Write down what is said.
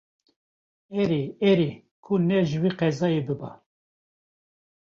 Erê, erê, ku ne ji vê qezayê biba